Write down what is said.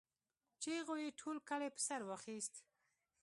چيغو يې ټول کلی په سر واخيست.